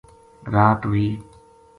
رات ہوئی